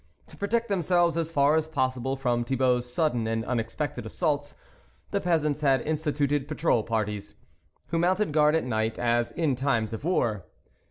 To protect themselves as far as possible from Thibault's sudden and unexpected assaults, the peasants had instituted patrol parties, who mounted guard at night as in times of war.